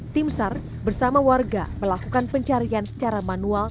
tim sar bersama warga melakukan pencarian secara manual